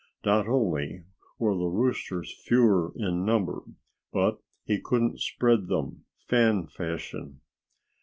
Not only were the rooster's fewer in number; but he couldn't spread them, fan fashion.